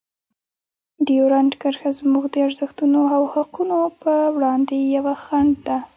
ډیورنډ کرښه زموږ د ارزښتونو او حقونو په وړاندې یوه خنډ ده.